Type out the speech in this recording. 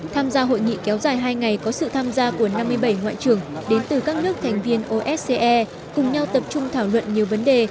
tham gia hội nghị kéo dài hai ngày có sự tham gia của năm mươi bảy ngoại trưởng đến từ các nước thành viên osce cùng nhau tập trung thảo luận nhiều vấn đề